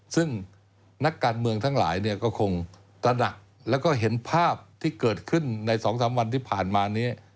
ซึ่งนักการเมืองทั้งหลายเนี่ยก็คงตระหนักแล้วก็เห็นภาพที่เกิดขึ้นใน๒๓วันที่ผ่านมานี้